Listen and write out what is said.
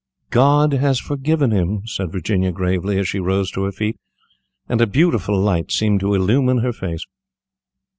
"God has forgiven him," said Virginia, gravely, as she rose to her feet, and a beautiful light seemed to illumine her face.